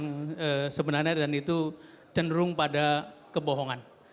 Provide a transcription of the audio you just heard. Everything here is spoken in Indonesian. dan sebenarnya dan itu cenderung pada kebohongan